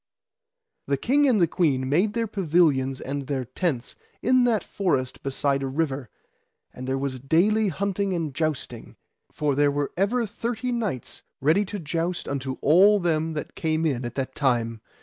The king and the queen made their pavilions and their tents in that forest beside a river, and there was daily hunting and jousting, for there were ever thirty knights ready to joust unto all them that came in at that time.